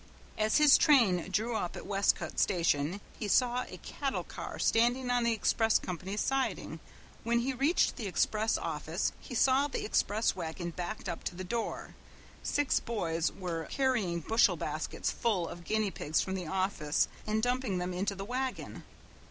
As his train drew up at Westcote station he saw a cattle car standing on the express company's siding. When he reached the express office he saw the express wagon backed up to the door. Six boys were carrying bushel baskets full of guinea pigs from the office and dumping them into the wagon.